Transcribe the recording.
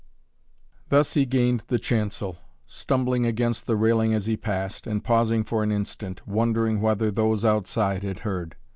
Thus he gained the chancel, stumbling against the railing as he passed, and pausing for an instant, wondering whether those outside had heard.